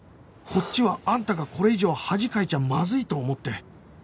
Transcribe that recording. こっちはあんたがこれ以上恥かいちゃまずいと思って